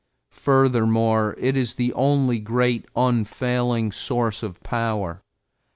Furthermore, it is the only great unfailing source of power.